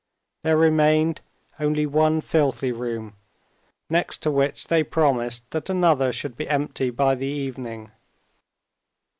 There remained only one filthy room, next to which they promised that another should be empty by the evening.